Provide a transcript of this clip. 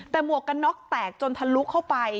แต่หมวกกันน็อกแตกจนทะลุเข้าไป